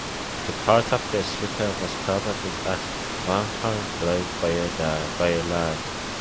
The part of the sleeper was probably at one time played by a lad.